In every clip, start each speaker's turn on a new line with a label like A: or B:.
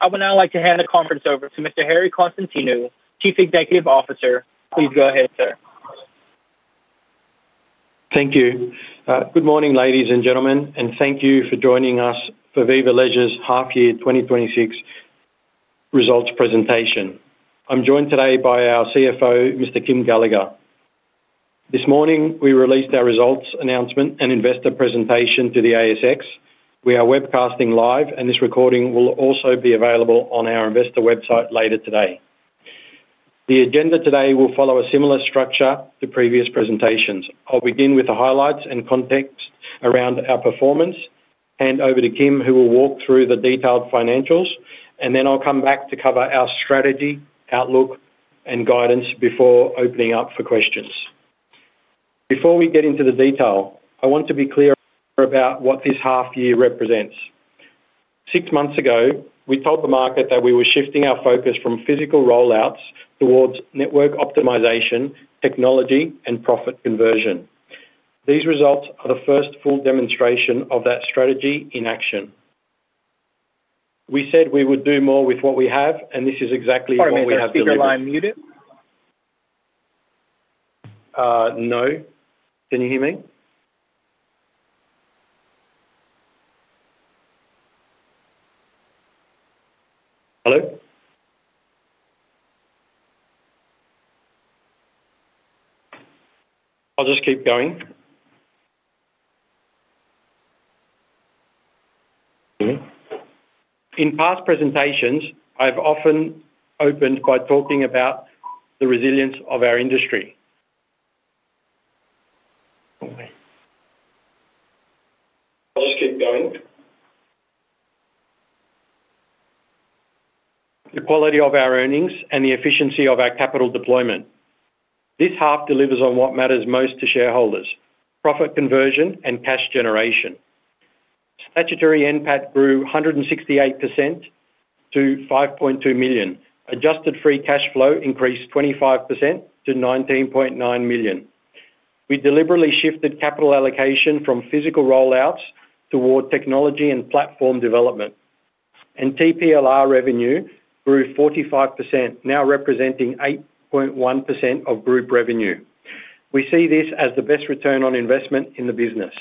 A: I would now like to hand the conference over to Mr. Harry Konstantinou, Chief Executive Officer. Please go ahead, sir.
B: Thank you. Good morning, ladies and gentlemen, and thank you for joining us for Viva Leisure's Half Year 2026 Results Presentation. I'm joined today by our CFO, Mr. Kym Gallagher. This morning we released our results announcement and investor presentation to the ASX. We are webcasting live, and this recording will also be available on our investor website later today. The agenda today will follow a similar structure to previous presentations. I'll begin with the highlights and context around our performance, hand over to Kym who will walk through the detailed financials, and then I'll come back to cover our strategy, outlook, and guidance before opening up for questions. Before we get into the detail, I want to be clear about what this half year represents. Six months ago, we told the market that we were shifting our focus from physical rollouts towards network optimization, technology, and profit conversion. These results are the first full demonstration of that strategy in action. We said we would do more with what we have, and this is exactly what we have to do.
A: Are you going to have the speaker line muted?
B: No. Can you hear me? Hello? I'll just keep going. In past presentations, I've often opened by talking about the resilience of our industry. I'll just keep going. The quality of our earnings and the efficiency of our capital deployment. This half delivers on what matters most to shareholders: profit conversion and cash generation. Statutory NPAT grew 168% to 5.2 million. Adjusted Free Cash Flow increased 25% to 19.9 million. We deliberately shifted capital allocation from physical rollouts toward technology and platform development, and TPLR revenue grew 45%, now representing 8.1% of group revenue. We see this as the best return on investment in the business.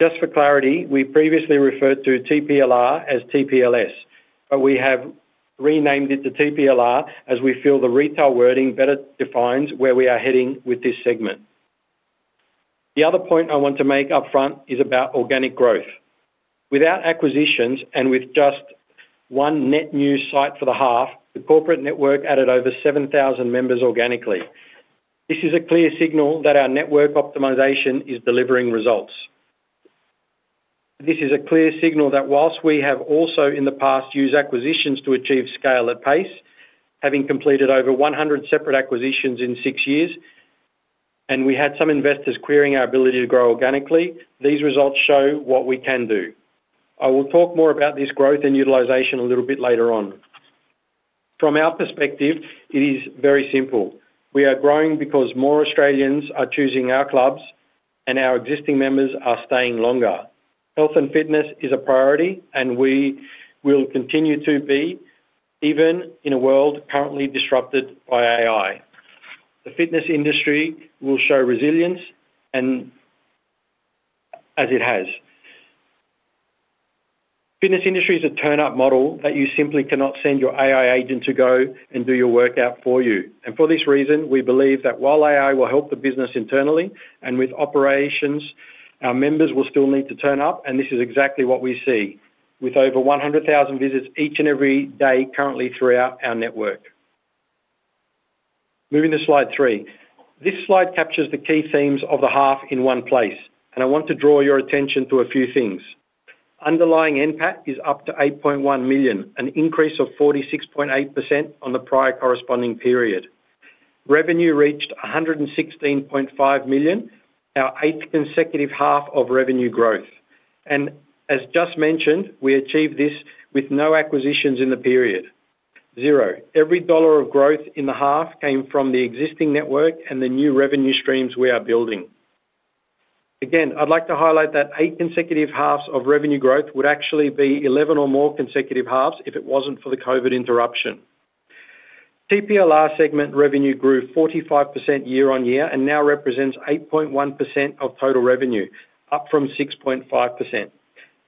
B: Just for clarity, we previously referred to TPLR as TPLS, but we have renamed it to TPLR as we feel the retail wording better defines where we are heading with this segment. The other point I want to make upfront is about organic growth. Without acquisitions and with just one net new site for the half, the corporate network added over 7,000 members organically. This is a clear signal that our network optimization is delivering results. This is a clear signal that while we have also in the past used acquisitions to achieve scale at pace, having completed over 100 separate acquisitions in six years, and we had some investors querying our ability to grow organically, these results show what we can do. I will talk more about this growth and utilization a little bit later on. From our perspective, it is very simple. We are growing because more Australians are choosing our clubs, and our existing members are staying longer. Health and fitness is a priority, and we will continue to be even in a world currently disrupted by AI. The fitness industry will show resilience as it has. The fitness industry is a turn-up model that you simply cannot send your AI agent to go and do your workout for you. And for this reason, we believe that while AI will help the business internally and with operations, our members will still need to turn up, and this is exactly what we see with over 100,000 visits each and every day currently throughout our network. Moving to slide 3. This slide captures the key themes of the half in one place, and I want to draw your attention to a few things. Underlying NPAT is up to 8.1 million, an increase of 46.8% on the prior corresponding period. Revenue reached 116.5 million, our eighth consecutive half of revenue growth. And as just mentioned, we achieved this with no acquisitions in the period. Zero. Every dollar of growth in the half came from the existing network and the new revenue streams we are building. Again, I'd like to highlight that eight consecutive halves of revenue growth would actually be 11 or more consecutive halves if it wasn't for the COVID interruption. TPLR segment revenue grew 45% year-over-year and now represents 8.1% of total revenue, up from 6.5%.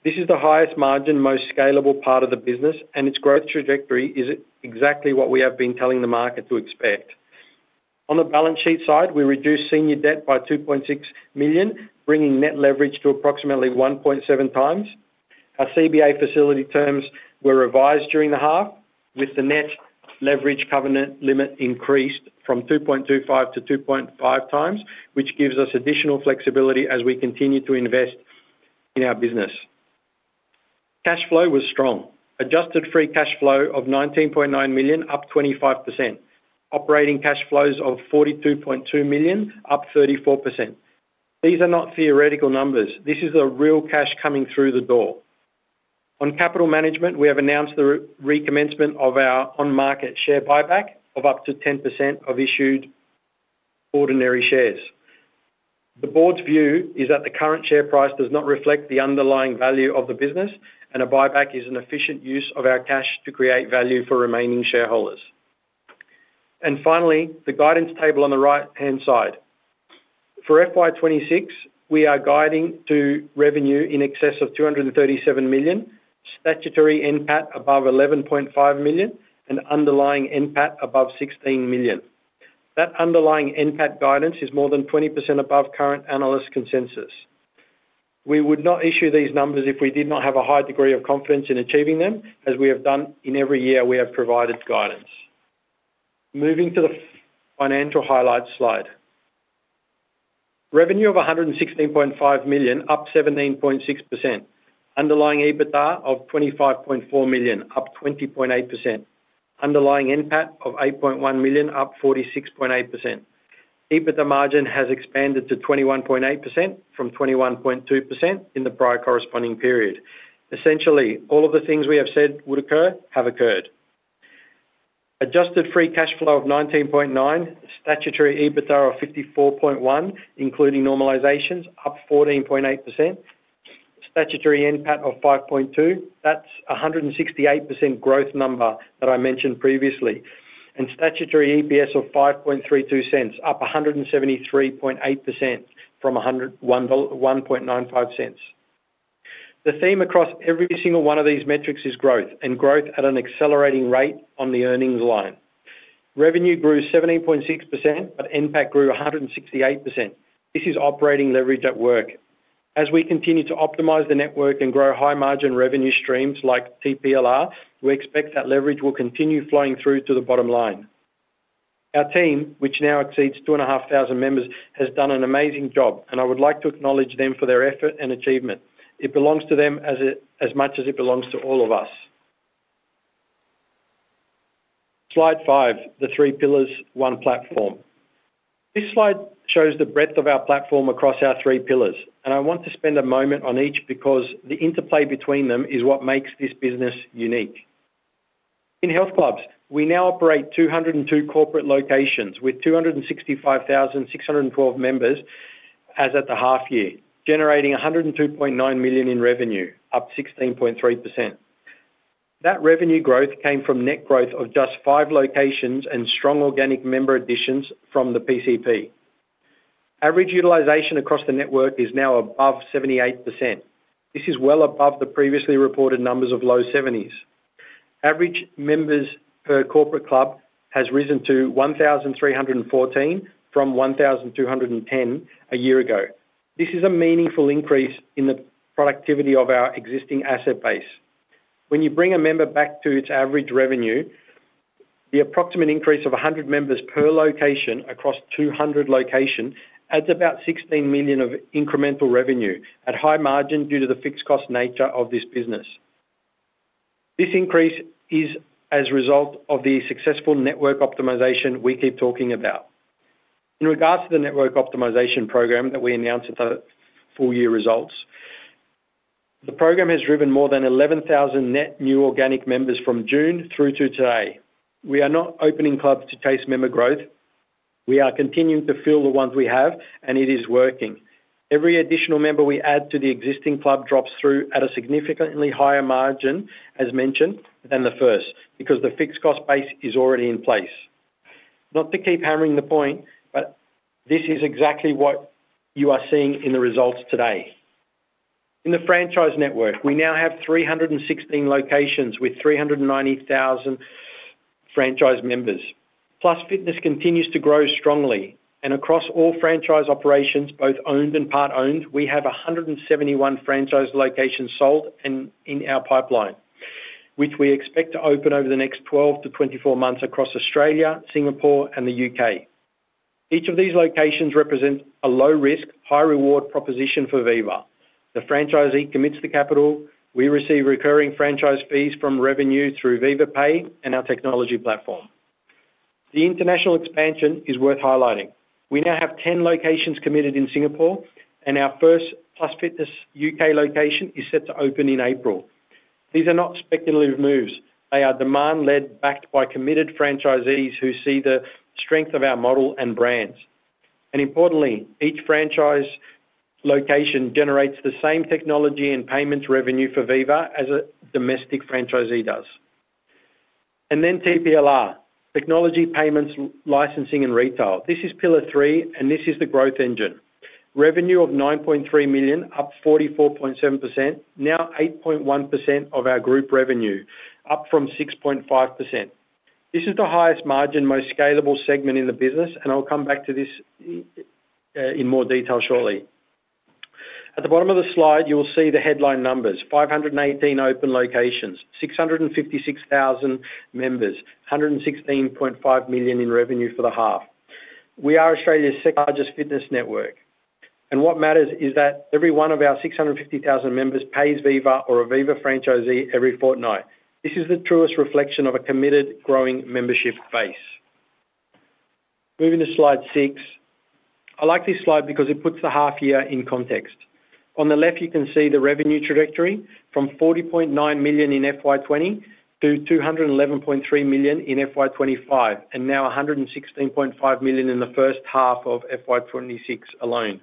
B: This is the highest margin, most scalable part of the business, and its growth trajectory is exactly what we have been telling the market to expect. On the balance sheet side, we reduced senior debt by 2.6 million, bringing net leverage to approximately 1.7 times. Our CBA facility terms were revised during the half, with the net leverage covenant limit increased from 2.25-2.5 times, which gives us additional flexibility as we continue to invest in our business. Cash flow was strong. Adjusted free cash flow of 19.9 million, up 25%. Operating cash flows of 42.2 million, up 34%. These are not theoretical numbers. This is the real cash coming through the door. On capital management, we have announced the recommencement of our on-market share buyback of up to 10% of issued ordinary shares. The board's view is that the current share price does not reflect the underlying value of the business, and a buyback is an efficient use of our cash to create value for remaining shareholders. And finally, the guidance table on the right-hand side. For FY26, we are guiding to revenue in excess of 237 million, statutory NPAT above 11.5 million, and underlying NPAT above 16 million. That underlying NPAT guidance is more than 20% above current analyst consensus. We would not issue these numbers if we did not have a high degree of confidence in achieving them, as we have done in every year we have provided guidance. Moving to the financial highlights slide. Revenue of 116.5 million, up 17.6%. Underlying EBITDA of 25.4 million, up 20.8%. Underlying NPAT of 8.1 million, up 46.8%. EBITDA margin has expanded to 21.8% from 21.2% in the prior corresponding period. Essentially, all of the things we have said would occur, have occurred. Adjusted free cash flow of 19.9 million, statutory EBITDA of 54.1 million, including normalizations, up 14.8%. Statutory NPAT of 5.2 million. That's 168% growth number that I mentioned previously. Statutory EPS of 0.0532, up 173.8% from 0.0195. The theme across every single one of these metrics is growth, and growth at an accelerating rate on the earnings line. Revenue grew 17.6%, but NPAT grew 168%. This is operating leverage at work. As we continue to optimize the network and grow high-margin revenue streams like TPLR, we expect that leverage will continue flowing through to the bottom line. Our team, which now exceeds 2,500 members, has done an amazing job, and I would like to acknowledge them for their effort and achievement. It belongs to them as much as it belongs to all of us. Slide 5, the three pillars, one platform. This slide shows the breadth of our platform across our three pillars, and I want to spend a moment on each because the interplay between them is what makes this business unique. In health clubs, we now operate 202 corporate locations with 265,612 members as at the half year, generating 102.9 million in revenue, up 16.3%. That revenue growth came from net growth of just 5 locations and strong organic member additions from the PCP. Average utilization across the network is now above 78%. This is well above the previously reported numbers of low 70s. Average members per corporate club has risen to 1,314 from 1,210 a year ago. This is a meaningful increase in the productivity of our existing asset base. When you bring a member back to its average revenue, the approximate increase of 100 members per location across 200 locations adds about 16 million of incremental revenue at high margin due to the fixed cost nature of this business. This increase is as a result of the successful network optimization we keep talking about. In regards to the network optimization program that we announced at the full year results, the program has driven more than 11,000 net new organic members from June through to today. We are not opening clubs to chase member growth. We are continuing to fill the ones we have, and it is working. Every additional member we add to the existing club drops through at a significantly higher margin, as mentioned, than the first because the fixed cost base is already in place. Not to keep hammering the point, but this is exactly what you are seeing in the results today. In the franchise network, we now have 316 locations with 390,000 franchise members. Plus Fitness continues to grow strongly. Across all franchise operations, both owned and part-owned, we have 171 franchise locations sold in our pipeline, which we expect to open over the next 12 to 24 months across Australia, Singapore, and the UK. Each of these locations represents a low-risk, high-reward proposition for Viva. The franchisee commits the capital. We receive recurring franchise fees from revenue through Viva Pay and our technology platform. The international expansion is worth highlighting. We now have 10 locations committed in Singapore, and our first Plus Fitness UK location is set to open in April. These are not speculative moves. They are demand-led, backed by committed franchisees who see the strength of our model and brands. Importantly, each franchise location generates the same technology and payments revenue for Viva as a domestic franchisee does. Then TPLR, technology, payments, licensing, and retail. This is pillar three, and this is the growth engine. Revenue of 9.3 million, up 44.7%, now 8.1% of our group revenue, up from 6.5%. This is the highest margin, most scalable segment in the business, and I'll come back to this in more detail shortly. At the bottom of the slide, you'll see the headline numbers: 518 open locations, 656,000 members, 116.5 million in revenue for the half. We are Australia's second largest fitness network. What matters is that every one of our 650,000 members pays Viva or a Viva franchisee every fortnight. This is the truest reflection of a committed, growing membership base. Moving to slide six. I like this slide because it puts the half year in context. On the left, you can see the revenue trajectory from 40.9 million in FY20 to 211.3 million in FY25, and now 116.5 million in the first half of FY26 alone.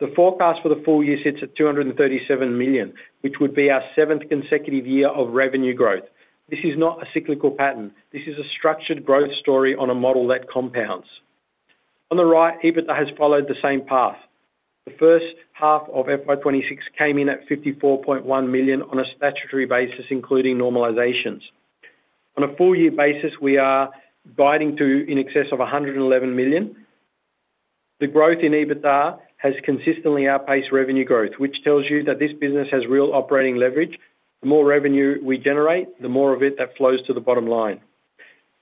B: The forecast for the full year sits at 237 million, which would be our seventh consecutive year of revenue growth. This is not a cyclical pattern. This is a structured growth story on a model that compounds. On the right, EBITDA has followed the same path. The first half of FY26 came in at 54.1 million on a statutory basis, including normalizations. On a full year basis, we are guiding to in excess of 111 million. The growth in EBITDA has consistently outpaced revenue growth, which tells you that this business has real operating leverage. The more revenue we generate, the more of it that flows to the bottom line.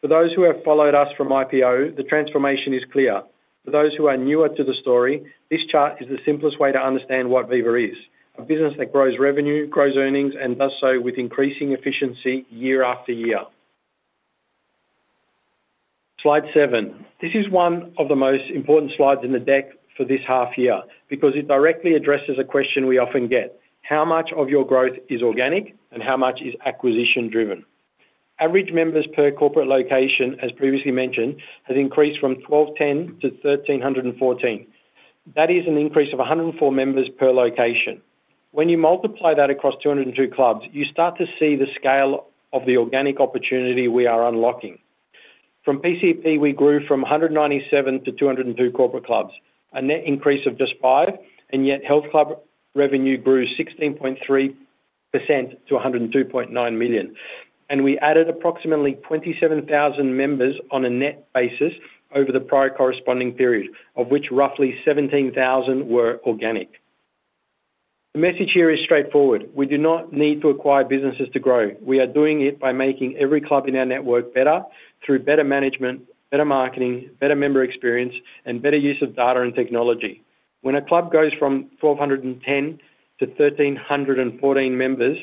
B: For those who have followed us from IPO, the transformation is clear. For those who are newer to the story, this chart is the simplest way to understand what Viva is: a business that grows revenue, grows earnings, and does so with increasing efficiency year after year. Slide seven. This is one of the most important slides in the deck for this half year because it directly addresses a question we often get: how much of your growth is organic, and how much is acquisition-driven? Average members per corporate location, as previously mentioned, has increased from 1,210-1,314. That is an increase of 104 members per location. When you multiply that across 202 clubs, you start to see the scale of the organic opportunity we are unlocking. From PCP, we grew from 197 to 202 corporate clubs, a net increase of just five, and yet health club revenue grew 16.3% to 102.9 million. We added approximately 27,000 members on a net basis over the prior corresponding period, of which roughly 17,000 were organic. The message here is straightforward. We do not need to acquire businesses to grow. We are doing it by making every club in our network better through better management, better marketing, better member experience, and better use of data and technology. When a club goes from 1,210 to 1,314 members,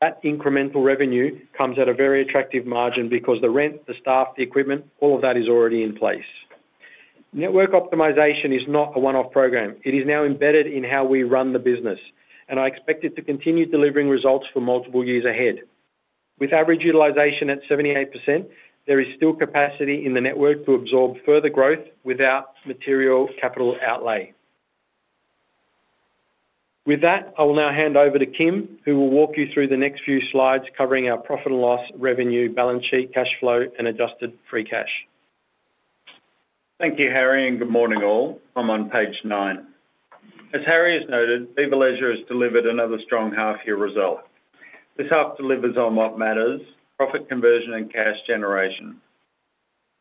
B: that incremental revenue comes at a very attractive margin because the rent, the staff, the equipment, all of that is already in place. Network optimization is not a one-off program. It is now embedded in how we run the business, and I expect it to continue delivering results for multiple years ahead. With average utilization at 78%, there is still capacity in the network to absorb further growth without material capital outlay. With that, I will now hand over to Kym, who will walk you through the next few slides covering our profit and loss revenue balance sheet, cash flow, and adjusted free cash.
C: Thank you, Harry, and good morning, all. I'm on page nine. As Harry has noted, Viva Leisure has delivered another strong half-year result. This half delivers on what matters: profit conversion and cash generation.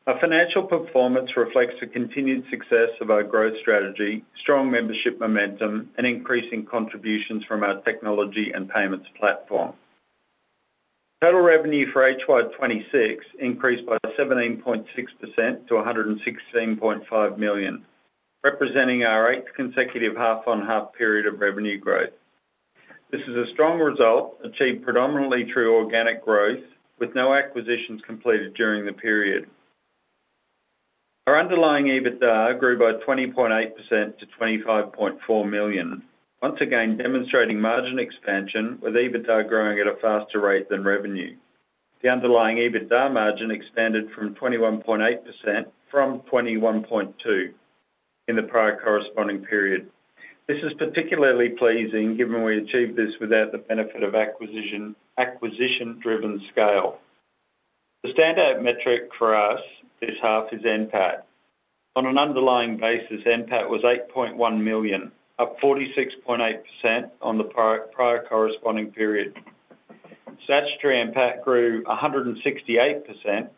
C: Our financial performance reflects the continued success of our growth strategy, strong membership momentum, and increasing contributions from our technology and payments platform. Total revenue for HY26 increased by 17.6% to 116.5 million, representing our eighth consecutive half-on-half period of revenue growth. This is a strong result achieved predominantly through organic growth, with no acquisitions completed during the period. Our underlying EBITDA grew by 20.8% to 25.4 million, once again demonstrating margin expansion with EBITDA growing at a faster rate than revenue. The underlying EBITDA margin expanded from 21.2% to 21.8% in the prior corresponding period. This is particularly pleasing given we achieved this without the benefit of acquisition-driven scale. The standout metric for us this half is NPAT. On an underlying basis, NPAT was 8.1 million, up 46.8% on the prior corresponding period. Statutory NPAT grew 168%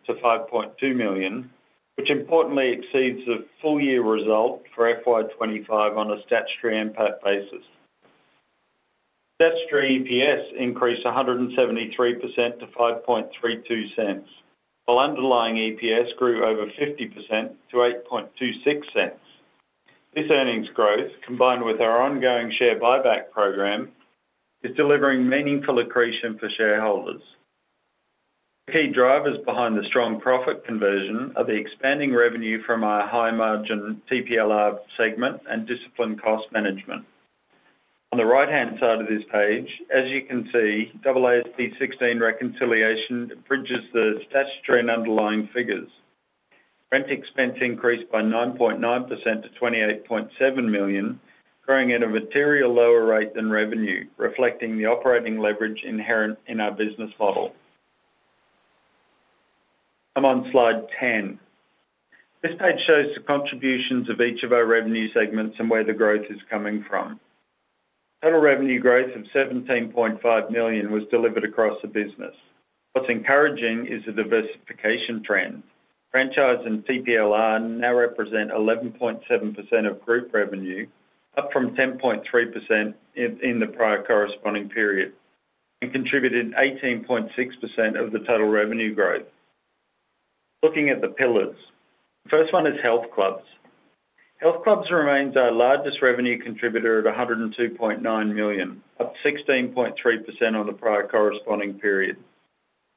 C: to 5.2 million, which importantly exceeds the full-year result for FY25 on a statutory NPAT basis. Statutory EPS increased 173% to 0.0532, while underlying EPS grew over 50% to 0.0826. This earnings growth, combined with our ongoing share buyback program, is delivering meaningful accretion for shareholders. The key drivers behind the strong profit conversion are the expanding revenue from our high-margin TPLR segment and disciplined cost management. On the right-hand side of this page, as you can see, AASB 16 reconciliation bridges the statutory and underlying figures. Rent expense increased by 9.9% to 28.7 million, growing at a material lower rate than revenue, reflecting the operating leverage inherent in our business model. I'm on slide 10. This page shows the contributions of each of our revenue segments and where the growth is coming from. Total revenue growth of 17.5 million was delivered across the business. What's encouraging is the diversification trend. Franchise and TPLR now represent 11.7% of group revenue, up from 10.3% in the prior corresponding period, and contributed 18.6% of the total revenue growth. Looking at the pillars, the first one is health clubs. Health clubs remain our largest revenue contributor at 102.9 million, up 16.3% on the prior corresponding period.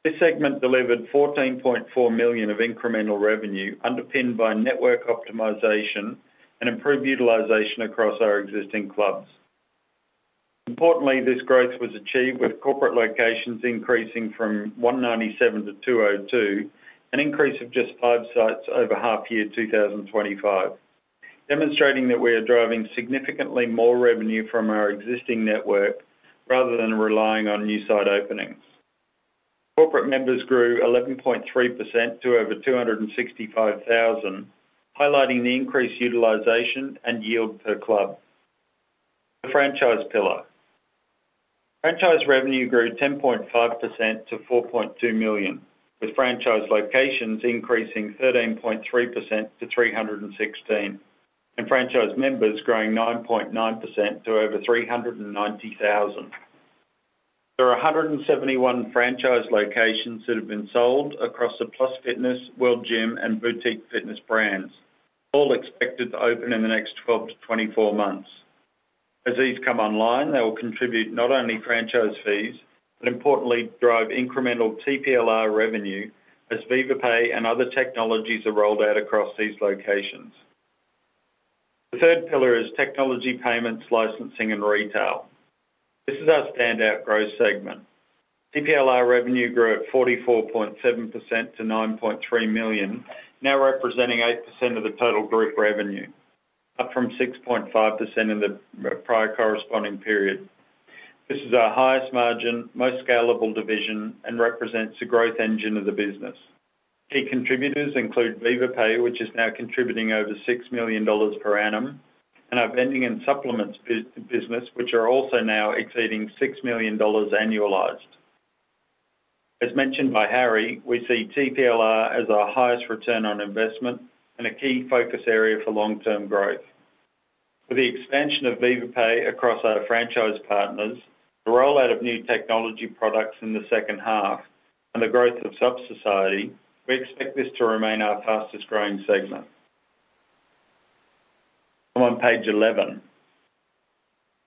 C: This segment delivered 14.4 million of incremental revenue underpinned by network optimization and improved utilization across our existing clubs. Importantly, this growth was achieved with corporate locations increasing from 197 to 202, an increase of just 5 sites over half-year 2025, demonstrating that we are driving significantly more revenue from our existing network rather than relying on new site openings. Corporate members grew 11.3% to over 265,000, highlighting the increased utilization and yield per club. The franchise pillar. Franchise revenue grew 10.5% to 4.2 million, with franchise locations increasing 13.3% to 316, and franchise members growing 9.9% to over 390,000. There are 171 franchise locations that have been sold across the Plus Fitness, World Gym, and Boutique Fitness brands, all expected to open in the next 12-24 months. As these come online, they will contribute not only franchise fees but importantly drive incremental TPLR revenue as Viva Pay and other technologies are rolled out across these locations. The third pillar is technology payments, licensing, and retail. This is our standout growth segment. TPLR revenue grew at 44.7% to 9.3 million, now representing 8% of the total group revenue, up from 6.5% in the prior corresponding period. This is our highest margin, most scalable division, and represents the growth engine of the business. Key contributors include Viva Pay, which is now contributing over 6 million dollars per annum, and our vending and supplements business, which are also now exceeding 6 million dollars annualized. As mentioned by Harry, we see TPLR as our highest return on investment and a key focus area for long-term growth. With the expansion of Viva Pay across our franchise partners, the rollout of new technology products in the second half, and the growth of Suppsidiary, we expect this to remain our fastest-growing segment. I'm on page 11.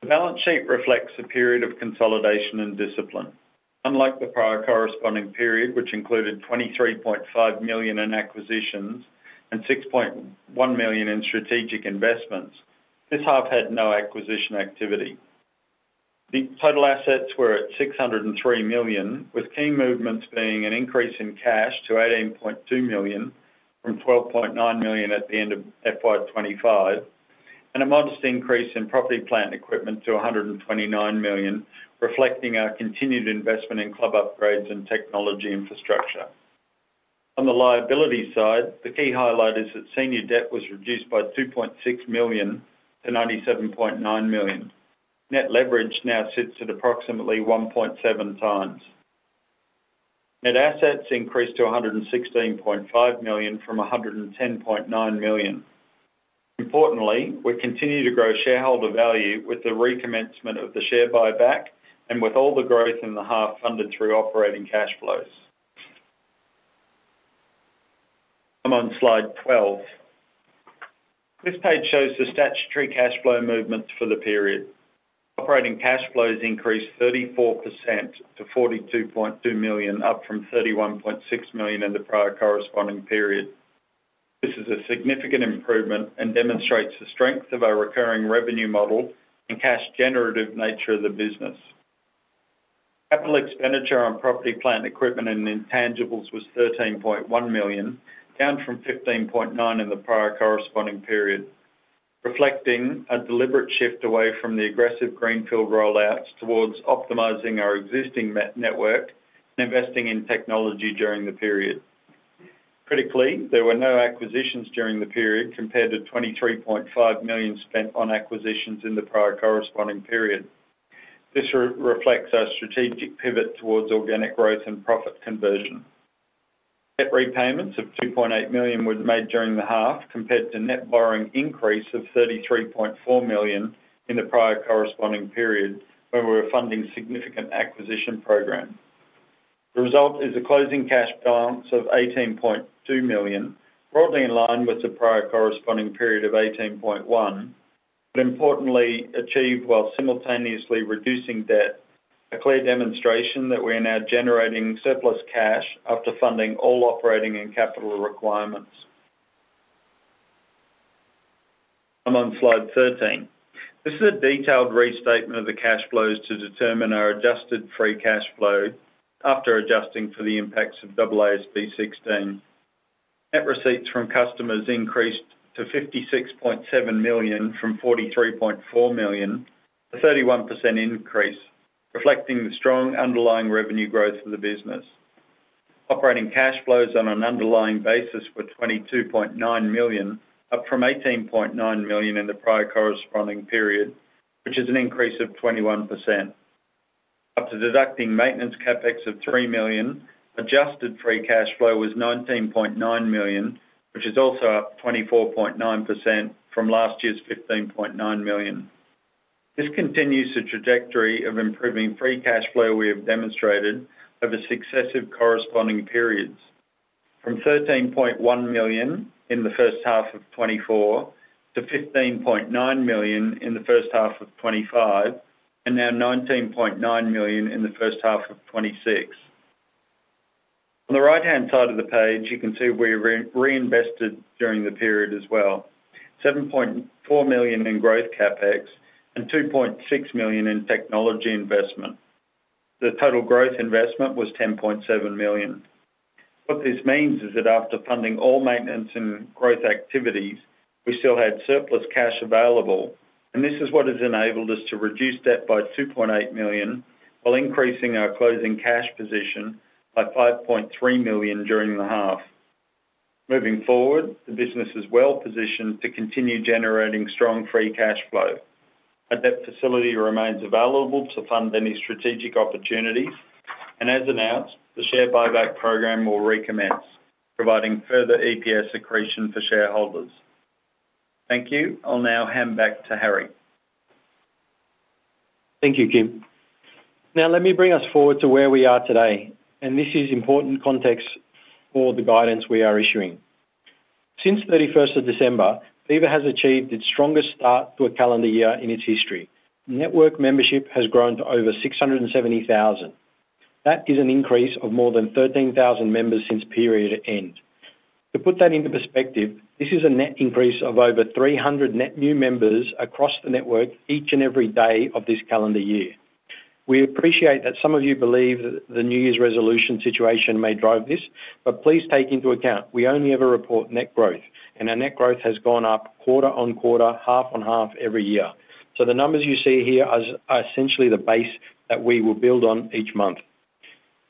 C: The balance sheet reflects a period of consolidation and discipline. Unlike the prior corresponding period, which included 23.5 million in acquisitions and 6.1 million in strategic investments, this half had no acquisition activity. The total assets were at 603 million, with key movements being an increase in cash to 18.2 million from 12.9 million at the end of FY25, and a modest increase in property, plant, and equipment to 129 million, reflecting our continued investment in club upgrades and technology infrastructure. On the liability side, the key highlight is that senior debt was reduced by 2.6 million to 97.9 million. Net leverage now sits at approximately 1.7 times. Net assets increased to 116.5 million from 110.9 million. Importantly, we continue to grow shareholder value with the recommencement of the share buyback and with all the growth in the half funded through operating cash flows. I'm on slide 12. This page shows the statutory cash flow movements for the period. Operating cash flows increased 34% to 42.2 million, up from 31.6 million in the prior corresponding period. This is a significant improvement and demonstrates the strength of our recurring revenue model and cash-generative nature of the business. Capital expenditure on property, plant, equipment, and intangibles was 13.1 million, down from 15.9 million in the prior corresponding period, reflecting a deliberate shift away from the aggressive greenfield rollouts towards optimizing our existing network and investing in technology during the period. Critically, there were no acquisitions during the period compared to 23.5 million spent on acquisitions in the prior corresponding period. This reflects our strategic pivot towards organic growth and profit conversion. Debt repayments of 2.8 million were made during the half compared to net borrowing increase of 33.4 million in the prior corresponding period when we were funding significant acquisition programs. The result is a closing cash balance of 18.2 million, broadly in line with the prior corresponding period of 18.1 million, but importantly achieved while simultaneously reducing debt, a clear demonstration that we are now generating surplus cash after funding all operating and capital requirements. I'm on slide 13. This is a detailed restatement of the cash flows to determine our adjusted free cash flow after adjusting for the impacts of AASB 16. Net receipts from customers increased to 56.7 million from 43.4 million, a 31% increase, reflecting the strong underlying revenue growth of the business. Operating cash flows on an underlying basis were 22.9 million, up from 18.9 million in the prior corresponding period, which is an increase of 21%. After deducting maintenance CapEx of 3 million, adjusted free cash flow was 19.9 million, which is also up 24.9% from last year's 15.9 million. This continues the trajectory of improving free cash flow we have demonstrated over successive corresponding periods, from 13.1 million in the first half of 2024 to 15.9 million in the first half of 2025, and now 19.9 million in the first half of 2026. On the right-hand side of the page, you can see we reinvested during the period as well, 7.4 million in growth CapEx and 2.6 million in technology investment. The total growth investment was 10.7 million. What this means is that after funding all maintenance and growth activities, we still had surplus cash available, and this is what has enabled us to reduce debt by 2.8 million while increasing our closing cash position by 5.3 million during the half. Moving forward, the business is well positioned to continue generating strong free cash flow. Our debt facility remains available to fund any strategic opportunities, and as announced, the share buyback program will recommence, providing further EPS accretion for shareholders. Thank you. I'll now hand back to Harry.
B: Thank you, Kim. Now, let me bring us forward to where we are today, and this is important context for the guidance we are issuing. Since 31st of December, Viva has achieved its strongest start to a calendar year in its history. Network membership has grown to over 670,000. That is an increase of more than 13,000 members since period end. To put that into perspective, this is a net increase of over 300 net new members across the network each and every day of this calendar year. We appreciate that some of you believe that the New Year's resolution situation may drive this, but please take into account we only ever report net growth, and our net growth has gone up quarter-on-quarter, half-on-half every year. So the numbers you see here are essentially the base that we will build on each month.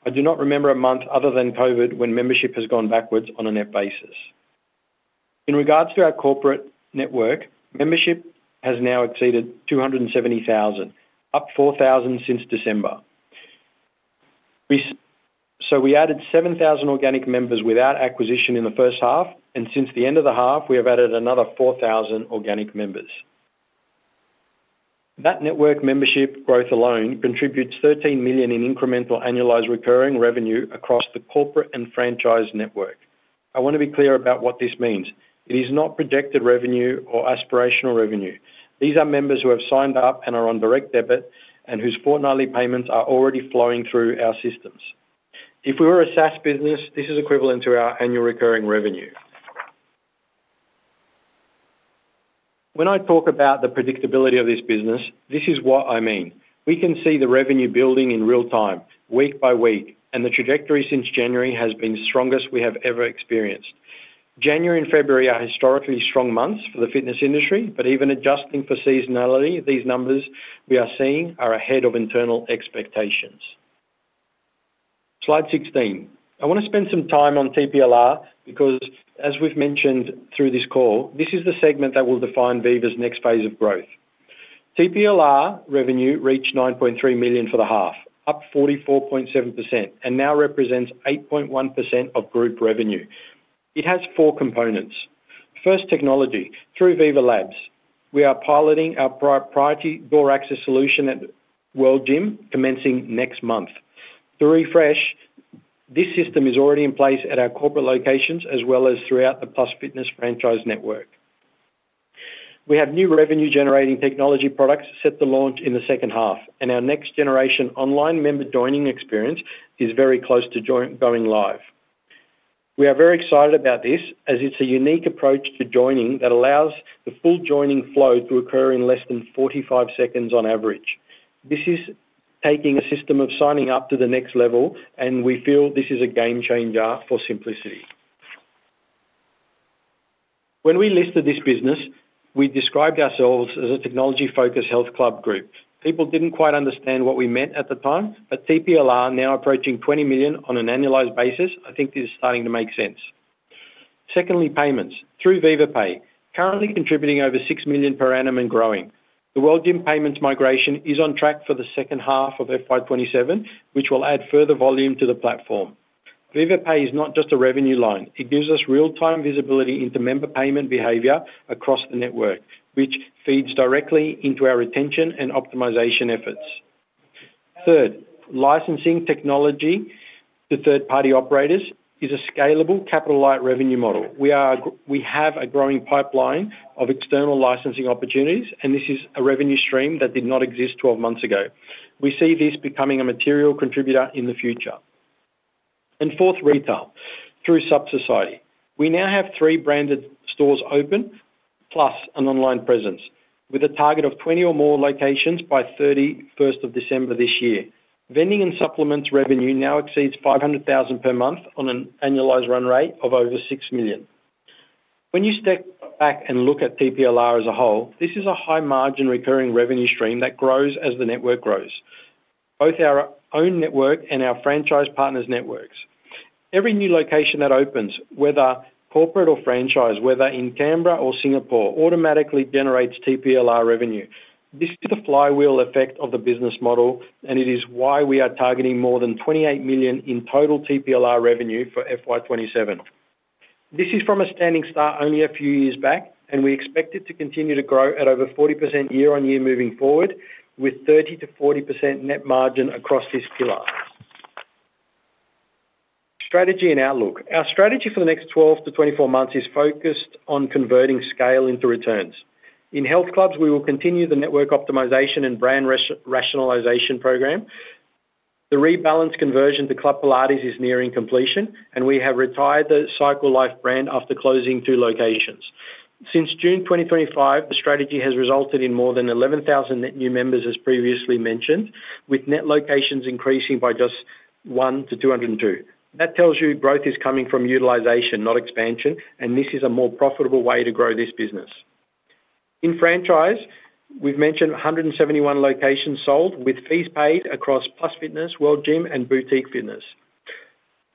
B: I do not remember a month other than COVID when membership has gone backwards on a net basis. In regards to our corporate network, membership has now exceeded 270,000, up 4,000 since December. So we added 7,000 organic members without acquisition in the first half, and since the end of the half, we have added another 4,000 organic members. That network membership growth alone contributes 13 million in incremental annualized recurring revenue across the corporate and franchise network. I want to be clear about what this means. It is not projected revenue or aspirational revenue. These are members who have signed up and are on direct debit and whose fortnightly payments are already flowing through our systems. If we were a SaaS business, this is equivalent to our annual recurring revenue. When I talk about the predictability of this business, this is what I mean. We can see the revenue building in real time, week by week, and the trajectory since January has been strongest we have ever experienced. January and February are historically strong months for the fitness industry, but even adjusting for seasonality, these numbers we are seeing are ahead of internal expectations. Slide 16. I want to spend some time on TPLR because, as we've mentioned through this call, this is the segment that will define Viva's next phase of growth. TPLR revenue reached 9.3 million for the half, up 44.7%, and now represents 8.1% of group revenue. It has four components. First, technology. Through Viva Labs, we are piloting our priority door access solution at World Gym, commencing next month. To refresh, this system is already in place at our corporate locations as well as throughout the Plus Fitness franchise network. We have new revenue-generating technology products set to launch in the second half, and our next generation online member joining experience is very close to going live. We are very excited about this as it's a unique approach to joining that allows the full joining flow to occur in less than 45 seconds on average. This is taking a system of signing up to the next level, and we feel this is a game changer for simplicity. When we listed this business, we described ourselves as a technology-focused health club group. People didn't quite understand what we meant at the time, but TPLR now approaching 20 million on an annualized basis, I think this is starting to make sense. Secondly, payments. Through Viva Pay, currently contributing over 6 million per annum and growing. The World Gym payments migration is on track for the second half of FY27, which will add further volume to the platform. Viva Pay is not just a revenue line. It gives us real-time visibility into member payment behavior across the network, which feeds directly into our retention and optimization efforts. Third, licensing technology to third-party operators is a scalable capital-light revenue model. We have a growing pipeline of external licensing opportunities, and this is a revenue stream that did not exist 12 months ago. We see this becoming a material contributor in the future. And fourth, retail. Through Suppsidiary. We now have three branded stores open plus an online presence with a target of 20 or more locations by 31st of December this year. Vending and supplements revenue now exceeds 500,000 per month on an annualized run rate of over 6 million. When you step back and look at TPLR as a whole, this is a high-margin recurring revenue stream that grows as the network grows, both our own network and our franchise partners' networks. Every new location that opens, whether corporate or franchise, whether in Canberra or Singapore, automatically generates TPLR revenue. This is the flywheel effect of the business model, and it is why we are targeting more than 28 million in total TPLR revenue for FY27. This is from a standing start only a few years back, and we expect it to continue to grow at over 40% year-on-year moving forward with 30%-40% net margin across this pillar. Strategy and outlook. Our strategy for the next 12-24 months is focused on converting scale into returns. In health clubs, we will continue the network optimization and brand rationalization program. The Rebalance conversion to Club Pilates is nearing completion, and we have retired the Psycle Life brand after closing 2 locations. Since June 2025, the strategy has resulted in more than 11,000 net new members, as previously mentioned, with net locations increasing by just 1 to 202. That tells you growth is coming from utilization, not expansion, and this is a more profitable way to grow this business. In franchise, we've mentioned 171 locations sold with fees paid across Plus Fitness, World Gym, and Boutique Fitness.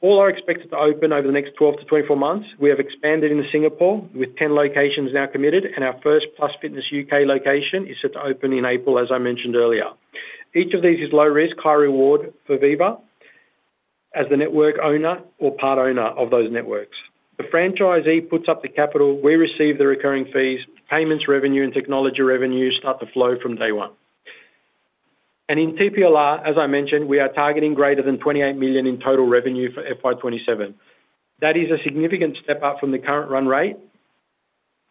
B: All are expected to open over the next 12-24 months. We have expanded into Singapore with 10 locations now committed, and our first Plus Fitness UK location is set to open in April, as I mentioned earlier. Each of these is low risk, high reward for Viva as the network owner or part owner of those networks. The franchisee puts up the capital. We receive the recurring fees. Payments, revenue, and technology revenue start to flow from day one. In TPLR, as I mentioned, we are targeting greater than 28 million in total revenue for FY27. That is a significant step up from the current run rate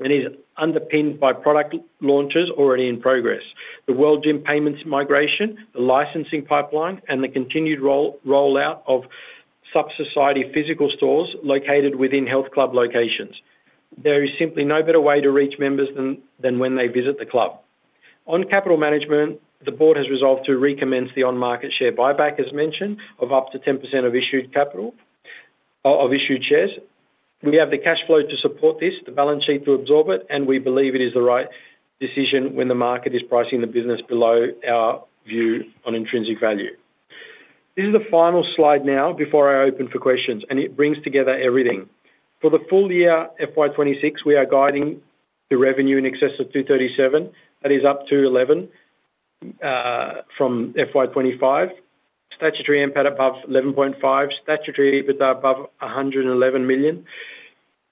B: and is underpinned by product launches already in progress, the World Gym payments migration, the licensing pipeline, and the continued rollout of Suppsidiary physical stores located within health club locations. There is simply no better way to reach members than when they visit the club. On capital management, the board has resolved to recommence the on-market share buyback, as mentioned, of up to 10% of issued shares. We have the cash flow to support this, the balance sheet to absorb it, and we believe it is the right decision when the market is pricing the business below our view on intrinsic value. This is the final slide now before I open for questions, and it brings together everything. For the full year FY26, we are guiding the revenue in excess of 237 million. That is up 11% from FY25, statutory NPAT above 11.5 million, statutory EBITDA above 111 million,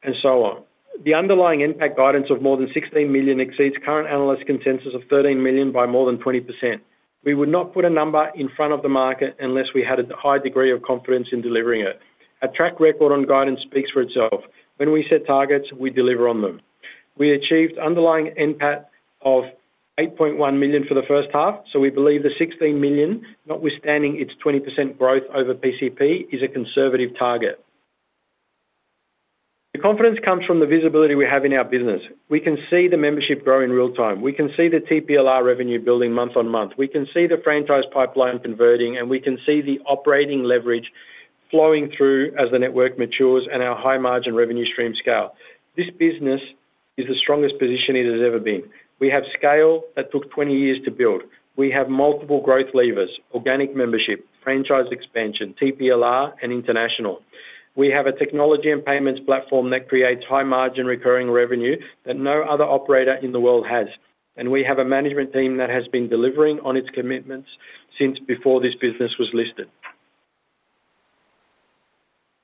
B: and so on. The underlying NPAT guidance of more than 16 million exceeds current analyst consensus of 13 million by more than 20%. We would not put a number in front of the market unless we had a high degree of confidence in delivering it. Our track record on guidance speaks for itself. When we set targets, we deliver on them. We achieved underlying impact of 8.1 million for the first half, so we believe the 16 million, notwithstanding its 20% growth over PCP, is a conservative target. The confidence comes from the visibility we have in our business. We can see the membership grow in real time. We can see the TPLR revenue building month-on-month. We can see the franchise pipeline converting, and we can see the operating leverage flowing through as the network matures and our high-margin revenue stream scale. This business is the strongest position it has ever been. We have scale that took 20 years to build. We have multiple growth levers: organic membership, franchise expansion, TPLR, and international. We have a technology and payments platform that creates high-margin recurring revenue that no other operator in the world has, and we have a management team that has been delivering on its commitments since before this business was listed.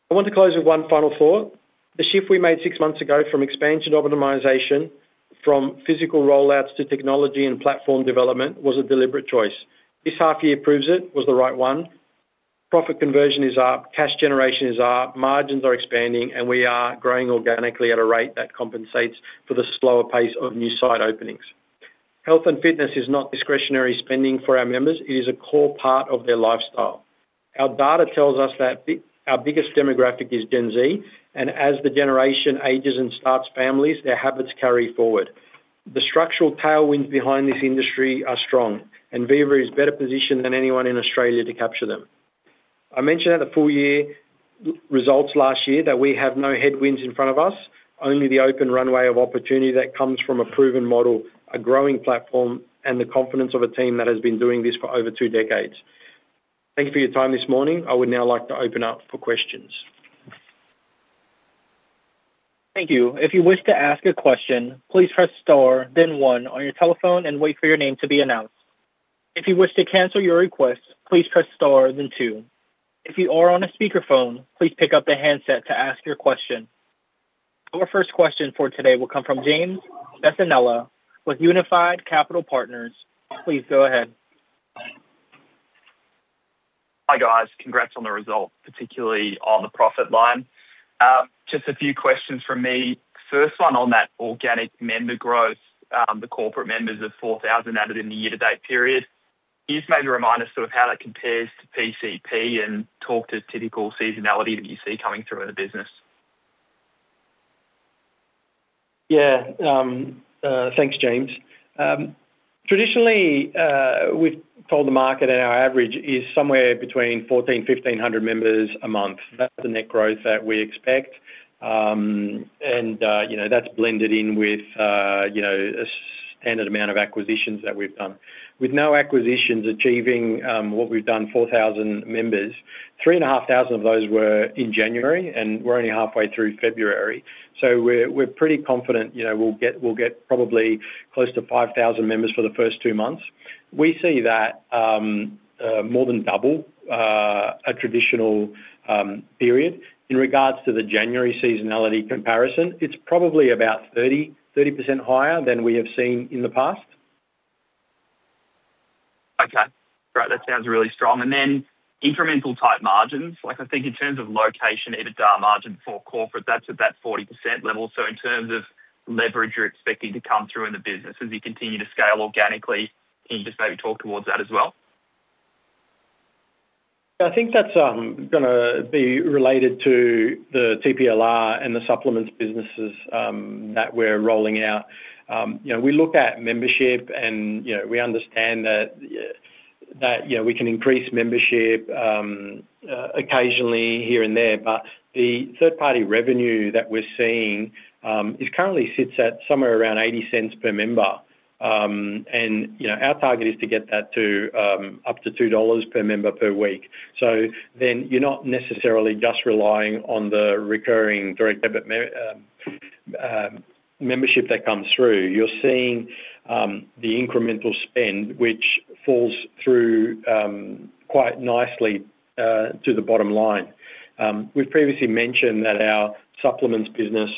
B: I want to close with one final thought. The shift we made six months ago from expansion to optimization, from physical rollouts to technology and platform development, was a deliberate choice. This half year proves it was the right one. Profit conversion is up. Cash generation is up. Margins are expanding, and we are growing organically at a rate that compensates for the slower pace of new site openings. Health and fitness is not discretionary spending for our members. It is a core part of their lifestyle. Our data tells us that our biggest demographic is Gen Z, and as the generation ages and starts families, their habits carry forward. The structural tailwinds behind this industry are strong, and Viva is better positioned than anyone in Australia to capture them. I mentioned at the full year results last year that we have no headwinds in front of us, only the open runway of opportunity that comes from a proven model, a growing platform, and the confidence of a team that has been doing this for over two decades. Thank you for your time this morning. I would now like to open up for questions.
A: Thank you. If you wish to ask a question, please press star, then one, on your telephone and wait for your name to be announced. If you wish to cancel your request, please press star, then two. If you are on a speakerphone, please pick up the handset to ask your question. Our first question for today will come from James Bisinella with Unified Capital Partners. Please go ahead.
D: Hi guys. Congrats on the result, particularly on the profit line. Just a few questions from me. First one on that organic member growth, the corporate members of 4,000 added in the year-to-date period. Please maybe remind us sort of how that compares to PCP and talk to typical seasonality that you see coming through in the business.
B: Yeah. Thanks, James. Traditionally, we've told the market that our average is somewhere between 1,400, 1,500 members a month. That's the net growth that we expect, and that's blended in with a standard amount of acquisitions that we've done. With no acquisitions achieving what we've done, 4,000 members, 3,500 of those were in January, and we're only halfway through February. So we're pretty confident we'll get probably close to 5,000 members for the first two months. We see that more than double a traditional period. In regards to the January seasonality comparison, it's probably about 30% higher than we have seen in the past.
D: Okay. Great. That sounds really strong. And then incremental-type margins. I think in terms of location, EBITDA margin for corporate, that's at that 40% level. So in terms of leverage you're expecting to come through in the business as you continue to scale organically, can you just maybe talk towards that as well?
B: I think that's going to be related to the TPLR and the supplements businesses that we're rolling out. We look at membership, and we understand that we can increase membership occasionally here and there, but the third-party revenue that we're seeing currently sits at somewhere around 0.80 per member, and our target is to get that up to 2 dollars per member per week.
C: So then you're not necessarily just relying on the recurring direct debit membership that comes through. You're seeing the incremental spend, which falls through quite nicely to the bottom line. We've previously mentioned that our supplements business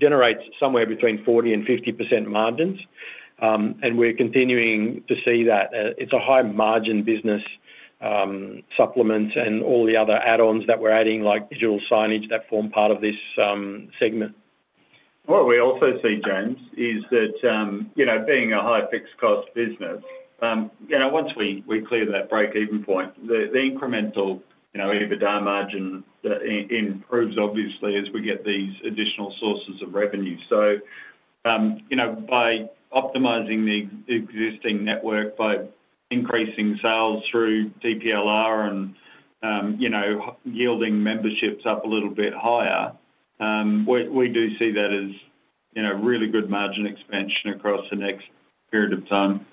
C: generates somewhere between 40%-50% margins, and we're continuing to see that. It's a high-margin business, supplements and all the other add-ons that we're adding, like digital signage that form part of this segment.
B: What we also see, James, is that being a high-fixed-cost business, once we clear that break-even point, the incremental EBITDA margin improves, obviously, as we get these additional sources of revenue. So by optimizing the existing network, by increasing sales through TPLR and yielding memberships up a little bit higher, we do see that as really good margin expansion across the next period of time.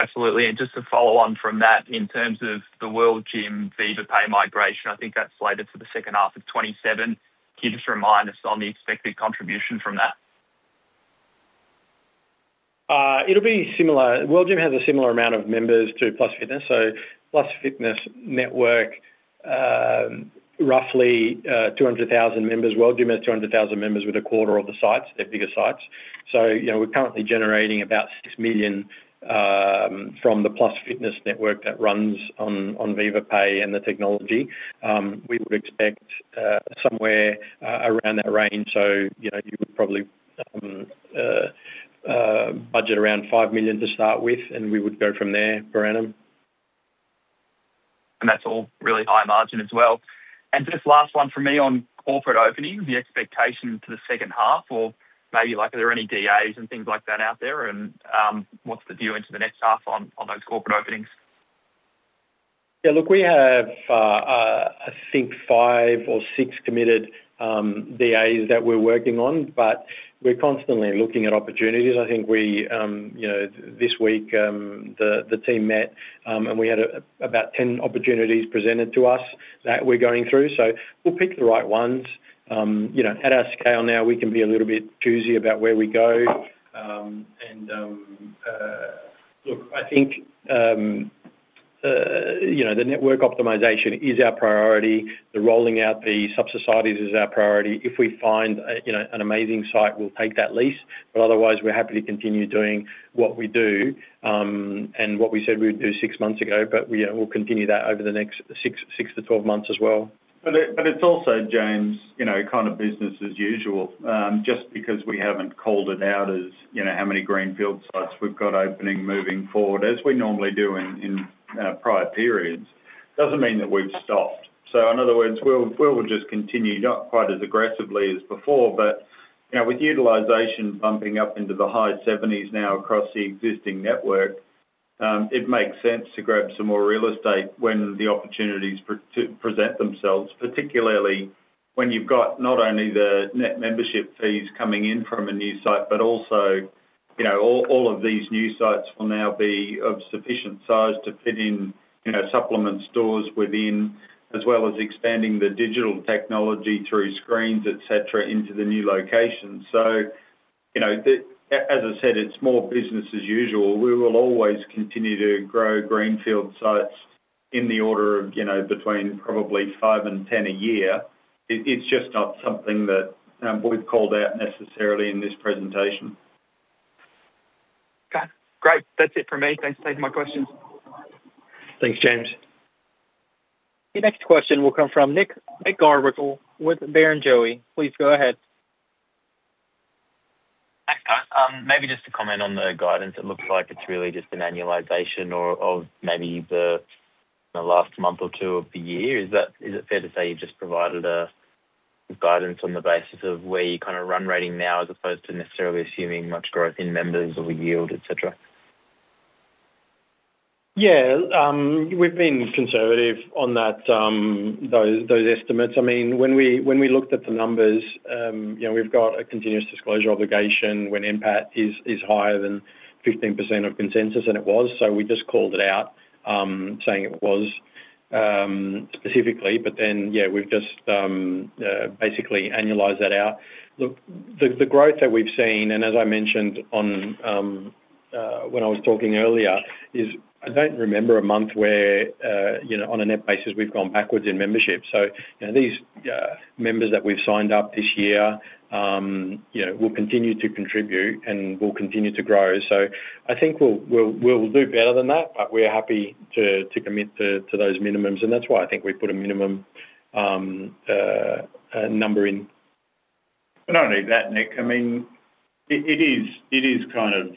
B: Absolutely.
C: And just to follow on from that, in terms of the World Gym Viva Pay migration, I think that's later for the second half of 2027. Can you just remind us on the expected contribution from that? It'll be similar. World Gym has a similar amount of members to Plus Fitness. So Plus Fitness network, roughly 200,000 members. World Gym has 200,000 members with a quarter of the sites, their bigger sites. So we're currently generating about 6 million from the Plus Fitness network that runs on Viva Pay and the technology. We would expect somewhere around that range. So you would probably budget around 5 million to start with, and we would go from there per annum.
D: And that's all really high-margin as well. And just last one from me on corporate openings, the expectation to the second half, or maybe are there any DAs and things like that out there, and what's the view into the next half on those corporate openings?
B: Yeah. Look, we have, I think, 5 or 6 committed DAs that we're working on, but we're constantly looking at opportunities. I think this week, the team met, and we had about 10 opportunities presented to us that we're going through. So we'll pick the right ones. At our scale now, we can be a little bit choosy about where we go. And look, I think the network optimization is our priority. The rolling out of the Suppsidiaries is our priority. If we find an amazing site, we'll take that lease. But otherwise, we're happy to continue doing what we do and what we said we would do six months ago, but we'll continue that over the next 6-12 months as well. But it's also, James, kind of business as usual. Just because we haven't called it out as how many greenfield sites we've got opening moving forward, as we normally do in prior periods, doesn't mean that we've stopped. So in other words, we'll just continue, not quite as aggressively as before, but with utilization bumping up into the high 70s now across the existing network, it makes sense to grab some more real estate when the opportunities present themselves, particularly when you've got not only the net membership fees coming in from a new site, but also all of these new sites will now be of sufficient size to fit in supplement stores within, as well as expanding the digital technology through screens, etc., into the new locations. So as I said, it's more business as usual. We will always continue to grow greenfield sites in the order of between probably 5 and 10 a year. It's just not something that we've called out necessarily in this presentation.
D: Okay. Great. That's it for me. Thanks for taking my questions.
B: Thanks, James.
A: Your next question will come from Nick McGarrigle with Barrenjoey. Please go ahead.
E: Thanks, guys. Maybe just to comment on the guidance, it looks like it's really just an annualization of maybe the last month or two of the year. Is it fair to say you've just provided guidance on the basis of where you're kind of run rating now as opposed to necessarily assuming much growth in members or yield, etc.?
C: Yeah. We've been conservative on those estimates. I mean, when we looked at the numbers, we've got a continuous disclosure obligation when impact is higher than 15% of consensus, and it was. So we just called it out saying it was specifically, but then, yeah, we've just basically annualized that out. Look, the growth that we've seen, and as I mentioned when I was talking earlier, is I don't remember a month where on a net basis, we've gone backwards in membership. So these members that we've signed up this year will continue to contribute and will continue to grow. So I think we'll do better than that, but we're happy to commit to those minimums. And that's why I think we put a minimum number in. Not only that, Nick. I mean, it is kind of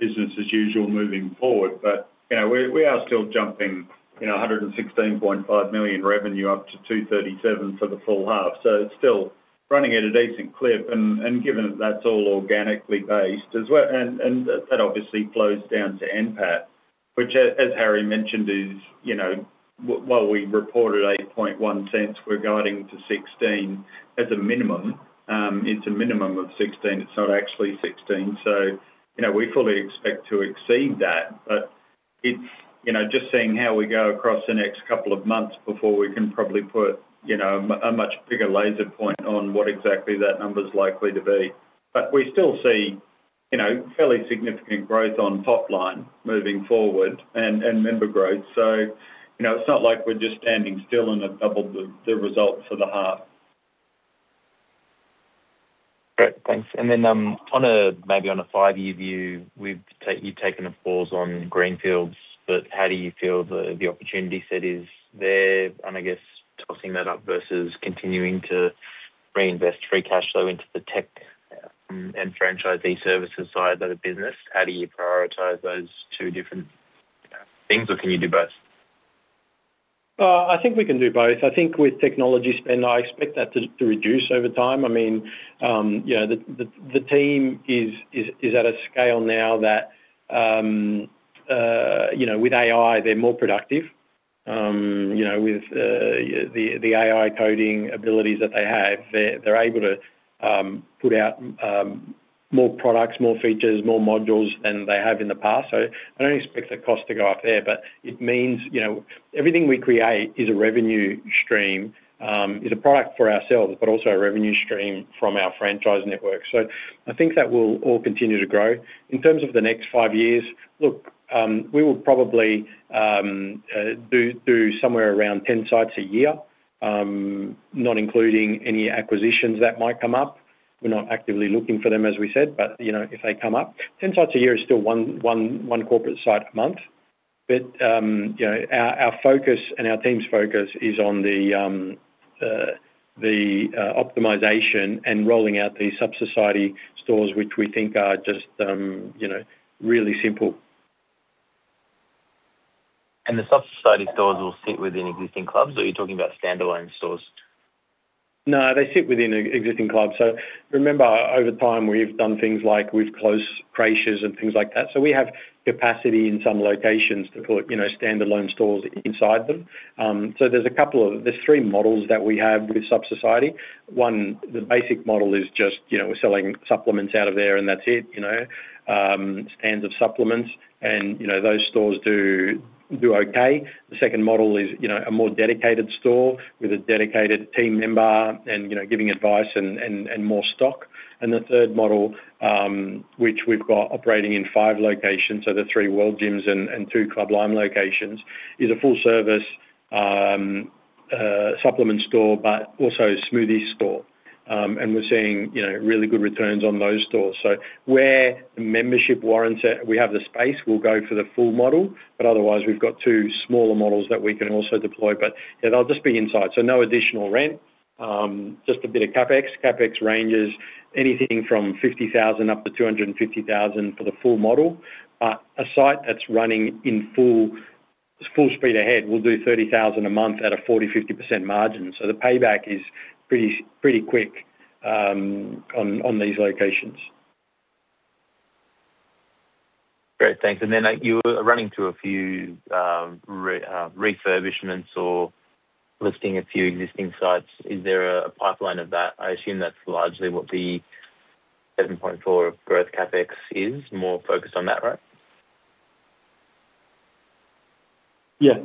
C: business as usual moving forward, but we are still jumping 116.5 million revenue up to 237 million for the full half. So it's still running at a decent clip. And given that that's all organically based, as well and that obviously flows down to impact, which, as Harry mentioned, is while we reported 0.081, we're guiding to 0.16 as a minimum. It's a minimum of 16. It's not actually 16. So we fully expect to exceed that, but it's just seeing how we go across the next couple of months before we can probably put a much bigger laser point on what exactly that number's likely to be. But we still see fairly significant growth on top line moving forward and member growth. So it's not like we're just standing still and have doubled the results for the half.
E: Great. Thanks. And then maybe on a five-year view, you've taken a pause on Greenfields, but how do you feel the opportunity set is there? And I guess tossing that up versus continuing to reinvest free cash flow into the tech and franchisee services side of the business, how do you prioritise those two different things, or can you do both?
B: I think we can do both. I think with technology spend, I expect that to reduce over time. I mean, the team is at a scale now that with AI, they're more productive. With the AI coding abilities that they have, they're able to put out more products, more features, more modules than they have in the past. So I don't expect the cost to go up there, but it means everything we create is a revenue stream, is a product for ourselves, but also a revenue stream from our franchise network. So I think that will all continue to grow. In terms of the next five years, look, we will probably do somewhere around 10 sites a year, not including any acquisitions that might come up. We're not actively looking for them, as we said, but if they come up. 10 sites a year is still one corporate site a month. But our focus and our team's focus is on the optimization and rolling out these Supps stores, which we think are just really simple.
E: And the Supps stores will sit within existing clubs, or are you talking about standalone stores?
B: No, they sit within existing clubs. So remember, over time, we've done things like we've closed creches and things like that. So we have capacity in some locations to put standalone stores inside them. So there's three models that we have with Supps. One, the basic model is just we're selling supplements out of there, and that's it, stands of supplements. And those stores do okay. The second model is a more dedicated store with a dedicated team member and giving advice and more stock. And the third model, which we've got operating in 5 locations, so the 3 World Gyms and 2 Club Lime locations, is a full-service supplement store but also smoothie store. And we're seeing really good returns on those stores. So where membership warrants it, we have the space. We'll go for the full model. But otherwise, we've got two smaller models that we can also deploy. But yeah, they'll just be inside. So no additional rent, just a bit of CapEx. CapEx ranges anything from 50,000-250,000 for the full model. But a site that's running in full speed ahead will do 30,000 a month at a 40%-50% margin. So the payback is pretty quick on these locations.
E: Great. Thanks. And then you are running through a few refurbishments or lifting a few existing sites. Is there a pipeline of that? I assume that's largely what the 7.4 million of growth CapEx is, more focused on that, right?
C: Yeah.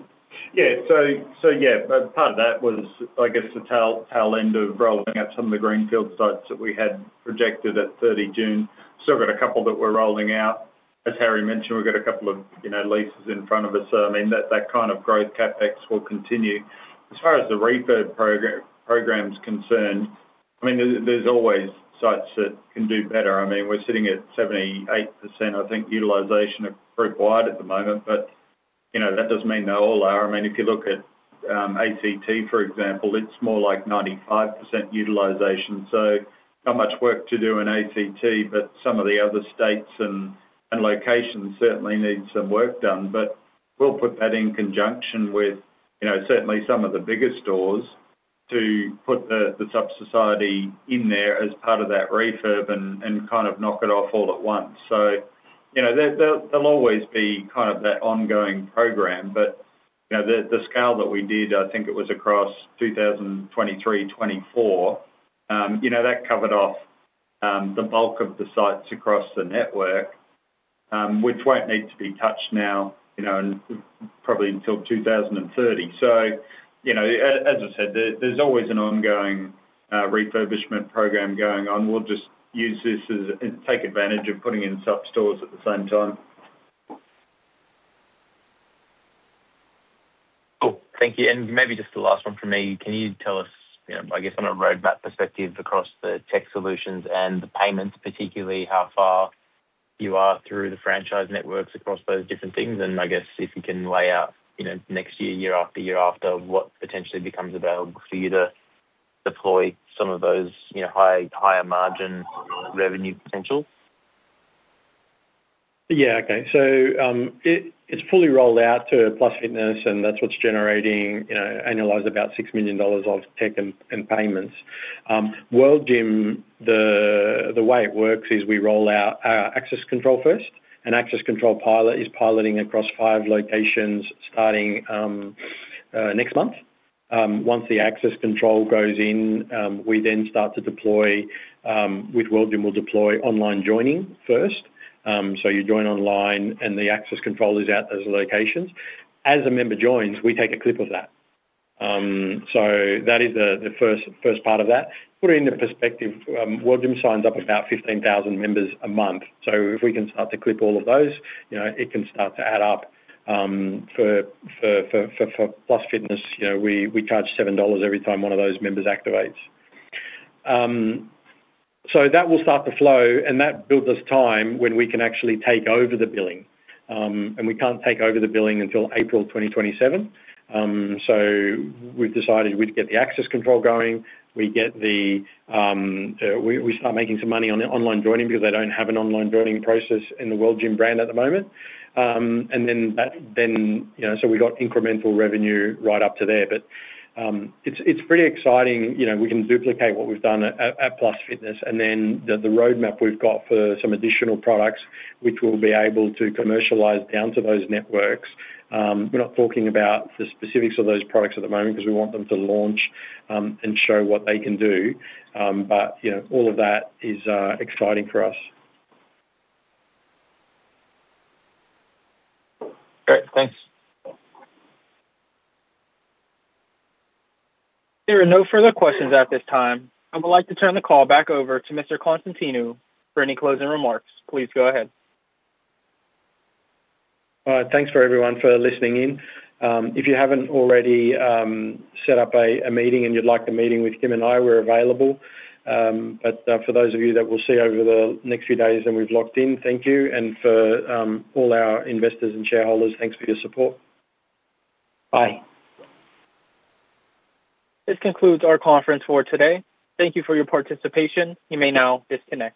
C: Yeah. So yeah, part of that was, I guess, the tail end of rolling out some of the greenfield sites that we had projected at 30 June. Still got a couple that we're rolling out. As Harry mentioned, we've got a couple of leases in front of us. So I mean, that kind of growth CapEx will continue. As far as the refurb program concerned, I mean, there's always sites that can do better. I mean, we're sitting at 78%, I think, utilization group-wide at the moment, but that doesn't mean they all are. I mean, if you look at ACT, for example, it's more like 95% utilization. So not much work to do in ACT, but some of the other states and locations certainly need some work done. But we'll put that in conjunction with certainly some of the bigger stores to put the subsidy in there as part of that refurb and kind of knock it off all at once. So there'll always be kind of that ongoing program. But the scale that we did, I think it was across 2023, 2024, that covered off the bulk of the sites across the network, which won't need to be touched now and probably until 2030. So as I said, there's always an ongoing refurbishment program going on. We'll just use this as take advantage of putting in supp stores at the same time.
E: Cool. Thank you. And maybe just the last one from me. Can you tell us, I guess, on a roadmap perspective across the tech solutions and the payments, particularly how far you are through the franchise networks across those different things? And I guess if you can lay out next year, year after year after, what potentially becomes available for you to deploy some of those higher-margin revenue potentials?
B: Yeah. Okay. So it's fully rolled out to Plus Fitness, and that's what's generating annualized about 6 million dollars of tech and payments. World Gym, the way it works is we roll out our access control first. An access control pilot is piloting across 5 locations starting next month. Once the access control goes in, we then start to deploy with World Gym. We'll deploy online joining first. So you join online, and the access control is out those locations. As a member joins, we take a clip of that. So that is the first part of that. Put it into perspective, World Gym signs up about 15,000 members a month. So if we can start to clip all of those, it can start to add up. For Plus Fitness, we charge 7 dollars every time one of those members activates. So that will start to flow, and that builds us time when we can actually take over the billing. And we can't take over the billing until April 2027. So we've decided we'd get the access control going. We start making some money on online joining because they don't have an online joining process in the World Gym brand at the moment. And then so we've got incremental revenue right up to there. But it's pretty exciting. We can duplicate what we've done at Plus Fitness. Then the roadmap we've got for some additional products, which we'll be able to commercialize down to those networks. We're not talking about the specifics of those products at the moment because we want them to launch and show what they can do. But all of that is exciting for us.
E: Great. Thanks.
A: There are no further questions at this time. I would like to turn the call back over to Mr. Konstantinou for any closing remarks. Please go ahead.
B: Thanks for everyone for listening in. If you haven't already set up a meeting and you'd like the meeting with Kym and I, we're available. But for those of you that we'll see over the next few days and we've locked in, thank you. And for all our investors and shareholders, thanks for your support. Bye.
A: This concludes our conference for today. Thank you for your participation. You may now disconnect.